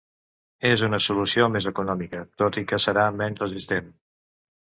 És una solució més econòmica, tot i que serà menys resistent.